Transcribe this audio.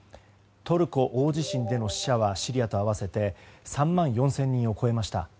トルコ大地震の死者はシリアと合わせて３万４０００人を超えました。